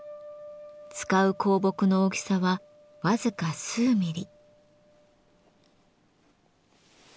使う香木の大きさは僅か数ミリ。